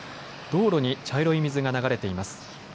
道路に茶色い水が流れています。